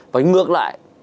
và ngược lại